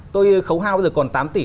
tôi khấu hao bây giờ còn tám tỷ